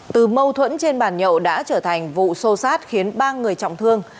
từ mâu thuẫn trên bàn nhậu đã trở thành vụ sô sát khiến ba người trọng thương